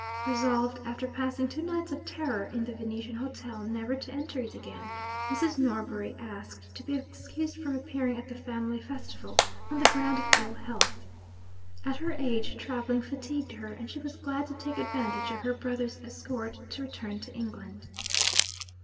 Resolved, after passing two nights of terror in the Venetian hotel, never to enter it again, Mrs. Norbury asked to be excused from appearing at the family festival, on the ground of ill health. At her age, travelling fatigued her, and she was glad to take advantage of her brother's escort to return to England.